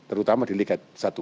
terutama di liga satu